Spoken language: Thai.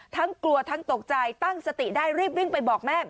ทั้งกลัวทั้งตกใจตั้งสติได้รีบวิ่งไปบอกแม่